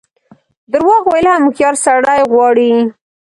درواغ ویل هم هوښیار سړی غواړي.